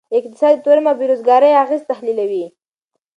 اقتصاد د تورم او بیروزګارۍ اغیز تحلیلوي.